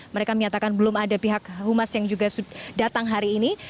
mereka menyatakan belum ada pihak humas yang juga datang hari ini